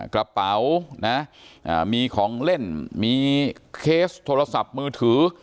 กระเป๋านะมีของเล่นมีเคสโทรศัพท์มือถือ